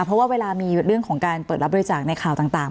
เพราะว่าเวลามีเรื่องของการเปิดรับบริจาคในข่าวต่าง